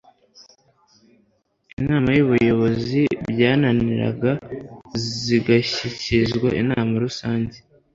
inama y'ubuyobozi, byananirana zigashyikirizwa inama rusange